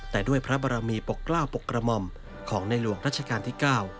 แต่ด้วยพระบรมีปกราวปกรมมของในหลวงรัชกาลที่๙